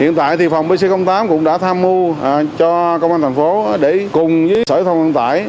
hiện tại thì phòng pc tám cũng đã tham mưu cho công an tp hcm để cùng với sở giao thông ngân tải